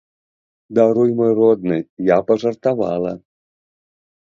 Даруй, мой родны, я пажартавала.